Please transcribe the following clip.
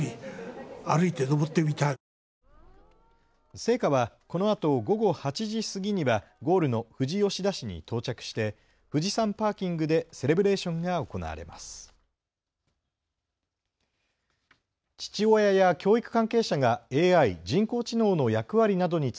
聖火はこのあと午後８時過ぎにはゴールの富士吉田市に到着して富士山パーキングでセレブレーションが行われます。